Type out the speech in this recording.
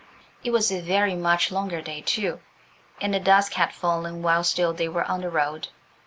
It was a very much longer day too, and the dusk had fallen while still they were on the road.